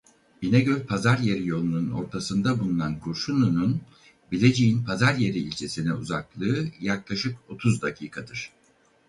İnegöl-Pazaryeri yolunun ortasında bulunan Kurşunlu'nun Bilecik'in Pazaryeri ilçesine uzaklığı yaklaşık otuz dakikadır.